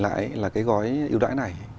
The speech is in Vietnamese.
lại là cái gói yêu đại này